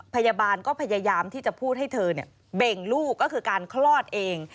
พยาบาลก็พยายามที่จะพูดให้เธอเบ่งลูกก็คือการคลอดเอง